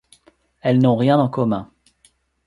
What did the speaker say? Elles n'ont rien en commun.